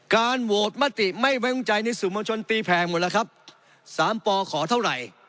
การโหวตมัตติไม่ไว้งุ่งใจในสูงบังชนปีแพงหมดแล้วครับสามปอขอเท่าไหร่